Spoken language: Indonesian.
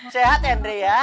sehat ya andre ya